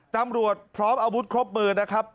ตำรวจพร้อมอาวุธครบมือนะครับ